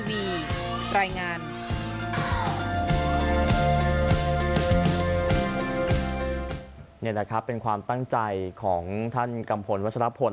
นี่แหละครับเป็นความตั้งใจของท่านกัมพลวัชรพล